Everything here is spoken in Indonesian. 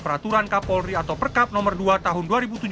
peraturan kapolri atau perkap nomor dua tahun dua ribu tujuh belas